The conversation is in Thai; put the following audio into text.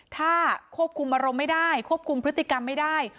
ถ้าควบคุมอารมณ์ไม่ได้ควบคุมพฤติกรรมไม่ได้